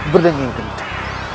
berdengar yang gentar